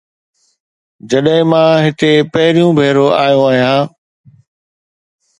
جڏهن مان هتي پهريون ڀيرو آيو آهيان